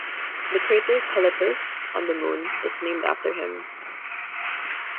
The crater Calippus on the Moon is named after him.